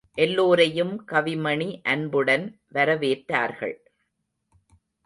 எல்லோரையும் கவிமணி அன்புடன் வரவேற்றார்கள்.